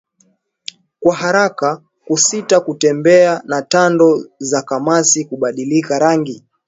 kwa haraka kusita kutembea na tando za kamasi kubadilika rangi